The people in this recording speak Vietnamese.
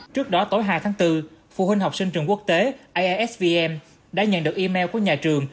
trước đó tối hai tháng bốn phụ huynh học sinh trường quốc tế aisvn đã nhận được email của nhà trường